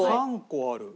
３個ある。